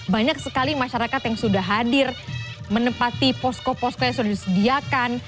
banyak sekali masyarakat yang sudah hadir menempati posko posko yang sudah disediakan